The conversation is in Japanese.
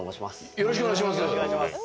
よろしくお願いします。